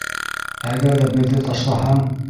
Әгәр ҙэ беҙҙе ташлаһаң